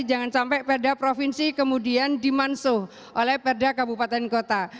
jangan sampai perda provinsi kemudian dimansuh oleh perda kabupaten kota